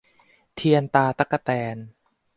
เทียนตาตั๊กแตน